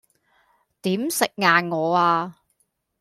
點食硬我呀?